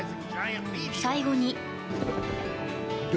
最後に。